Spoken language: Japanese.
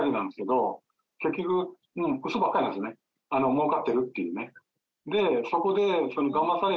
もうかってるっていうね。